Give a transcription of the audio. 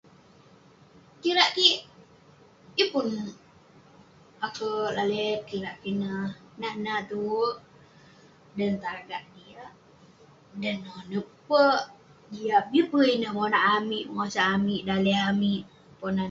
kirak kik, yeng pun akouk lalek kirak kik ineh, nat nat tuwerk..dan tagak, jiak..dan nonep peh, jiak bi peh ineh monak amik bengosak amik, daleh amik ponan..